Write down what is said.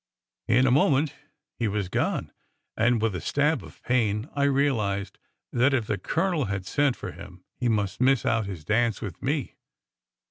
In a moment he was gone; and with a stab of pain I realized that, if the colonel had sent for him, he must miss out his dance with me.